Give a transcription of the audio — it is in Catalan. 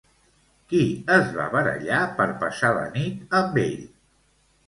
Qui es va barallar per passar la nit amb ell?